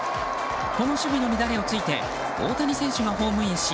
この守備の乱れをついて大谷選手がホームインし